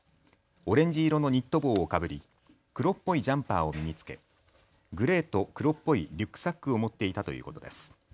オレンジ色のニット帽をかぶり黒っぽいジャンパーを身に着けグレーと黒っぽいリュックサックを持っていたということです。